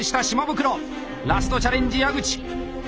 ラストチャレンジ矢口。